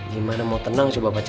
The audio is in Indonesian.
gimana mau tenang coba baca